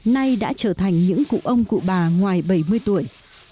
nay đã trở thành những cụ ông cụ bà ngoài bảy mươi tuổi